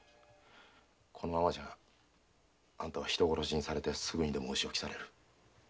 このままじゃあんたは人殺しにされてすぐにでもお仕置きされる。